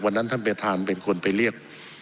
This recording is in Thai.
วันนั้นท่านประธานเป็นคนไปเรียก